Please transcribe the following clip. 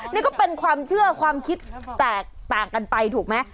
นี่ก็เป็นความเชื่อความคิดแตกต่างกันไปถูกไหม